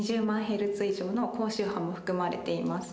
ヘルツ以上の高周波も含まれています